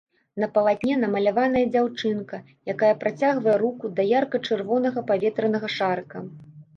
На палатне намаляваная дзяўчынка, якая працягвае руку да ярка-чырвонага паветранага шарыка.